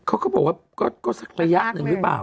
เขาก็บอกว่าก็สักระยะหนึ่งหรือเปล่า